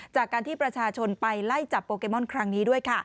จากการที่ประชาชนไปไล่จับโปเกมอนครั้งนี้ด้วยค่ะ